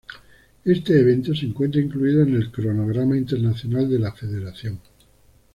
Este evento se encuentra incluido en el cronograma internacional de la Federación.